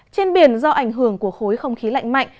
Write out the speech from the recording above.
trên biển do ảnh hưởng của khối không khí lạnh mạnh